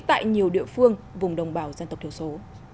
tại nhiều địa phương vùng đồng bào dân tộc thiểu số